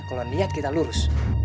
kalau niat kita lurus